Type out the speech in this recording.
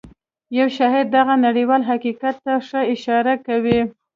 يو شاعر دغه نړيوال حقيقت ته ښه اشاره کوي.